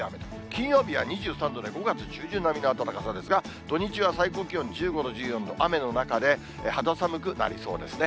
金曜日は２３度で５月中旬並みの暖かさですが、土日は最高気温１５度、１４度、雨の中で肌寒くなりそうですね。